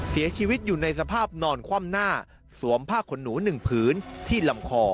เสียชีวิตอยู่ในสภาพนอนคว่ำหน้าสวมผ้าขนหนู๑ผืนที่ลำคอ